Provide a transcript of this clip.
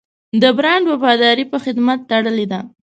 د برانډ وفاداري په خدمت تړلې ده.